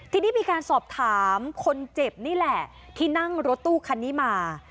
ทีนี้มีการสอบถามคนเจ็บนี่แหละที่นั่งรถตู้คันนี้มา